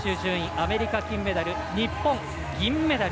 アメリカ、金メダル日本、銀メダル。